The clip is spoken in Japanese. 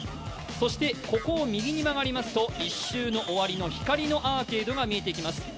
そしてここを右に曲がりますと１周の終わりの、光のアーケードが見えてきます。